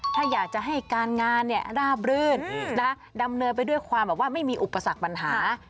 ถ้าอยากจะให้การงานราบรื่นดำเนินไปด้วยความแบบว่าไม่มีอุปสรรคปัญหา